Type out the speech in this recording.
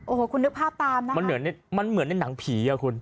โอ้โหคุณนึกภาพตามนะมันเหมือนในหนังผีอะคุณ